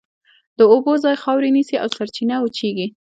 د اوبو ځای خاورې نیسي او سرچینه وچېږي.